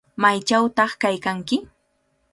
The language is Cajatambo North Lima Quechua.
¿Maychawtaq kaykanki?